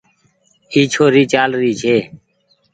اي ڇوري چآل رهي ڇي۔